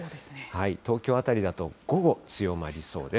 東京辺りだと午後、強まりそうです。